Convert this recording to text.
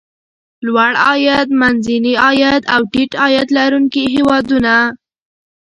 لوړ عاید، منځني عاید او ټیټ عاید لرونکي هېوادونه.